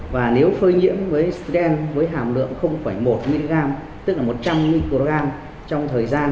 và nếu phơi nhiễm với siren với hàm lượng một mg tức là một trăm linh mg